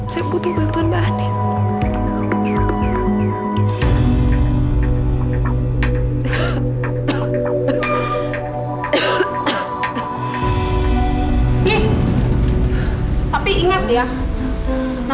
saya butuh bantuan mbak anit